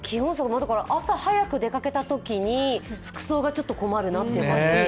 朝早く出かけたときに服装がちょっと困るなと。